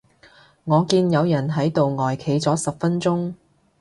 我見有人喺度呆企咗成十分鐘